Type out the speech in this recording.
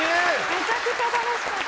めちゃくちゃ楽しかった。